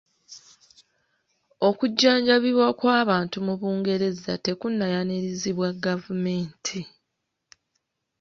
Okujjanjabibwa kw’abantu mu Bungereza tekunnayanirizibwa gavumenti.